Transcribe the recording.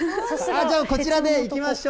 じゃあこちらでいきましょう。